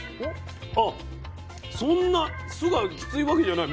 そんな酢がきついわけじゃない。